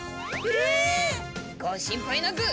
えっ！ご心配なく！